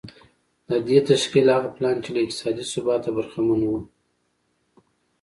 د دې تشکيل هغه پلان چې له اقتصادي ثباته برخمن و.